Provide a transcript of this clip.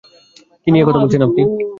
কী নিয়ে কথা বলছেন আপনি?